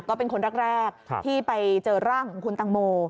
ก็เป็นคนแรกที่ไปเจอร่างของคุณตังโม